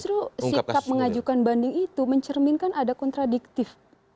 justru sikap mengajukan banding itu mencerminkan ada kontradiktif